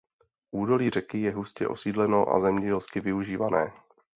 Údolí řeky je hustě osídleno a zemědělsky využívané.